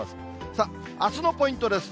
さあ、あすのポイントです。